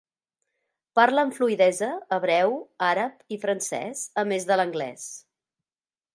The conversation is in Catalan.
Parla amb fluïdesa hebreu, àrab i francès, a més de l'anglès.